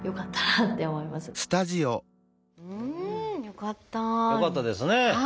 よかったですね。